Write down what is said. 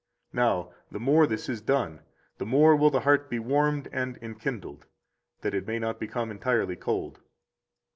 Now, the more this is done, the more will the heart be warmed and enkindled, that it may not become entirely cold.